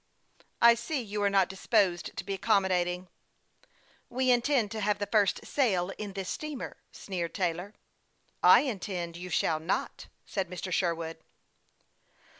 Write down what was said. " I see you are not disposed to be accommodating." " We intend to have the first sail in this steamer," sneered Taylor. " I intend you shall not," said Mr. Sherwood.